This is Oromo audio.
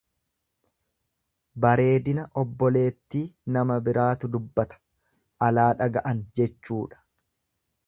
Bareedina obboleettii nama biraatu dubbata, alaa dhaga'an jechuudha.